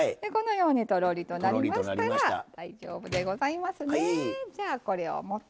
とろりとなりましたら大丈夫でございますね。